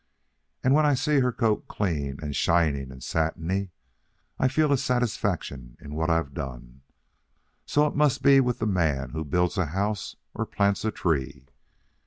And when I see her coat clean and shining and satiny, I feel a satisfaction in what I've done. So it must be with the man who builds a house or plants a tree.